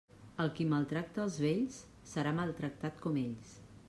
El qui maltracta els vells, serà maltractat com ells.